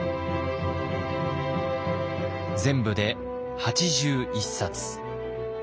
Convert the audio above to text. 全部で８１冊。